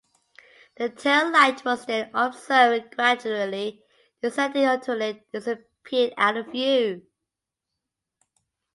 The tail light was then observed gradually descending until it disappeared out of view.